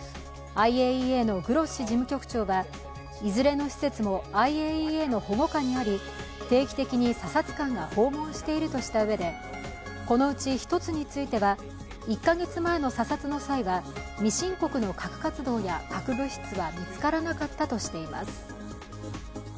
ＩＡＥＡのグロッシ事務局長は、いずれの施設もＩＡＥＡの保護下にあり、定期的に査察官が訪問しているとしたうえで、このうち１つについては１か月前の査察の際は未申告の核活動や核物質は見つからなかったとしています。